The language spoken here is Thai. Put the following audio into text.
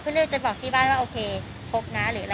เลือกจะบอกที่บ้านว่าโอเคพบนะหรืออะไร